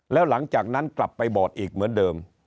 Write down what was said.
แล้วหลังจากนั้นกลับไปบอดอีกเหมือนเดิม